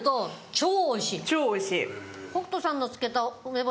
超おいしい！